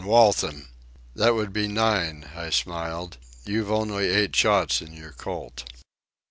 . Waltham." "That would be nine," I smiled. "You've only eight shots in your Colt."